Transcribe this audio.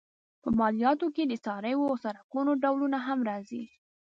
په مالیاتو کې د څارویو او سړکونو ډولونه هم راځي.